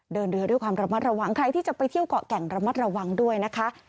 เดินเรือด้วยความระมัดระวังใครที่จะไปเที่ยวเกาะแก่งระมัดระวังด้วยนะคะ